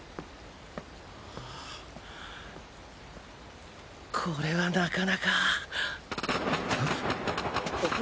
ほぉこれはなかなか。